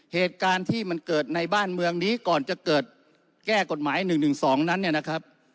เหตุการณ์ที่มันเกิดในบ้านเมืองนี้ก่อนจะเกิดแก้กฎหมาย๑๑๒นั้นเนี่ยนะครับ